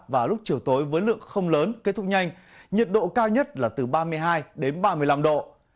và lúc chiều tối với lượng không lớn kết thúc nhanh nhiệt độ cao nhất là từ ba mươi hai đến ba mươi năm độ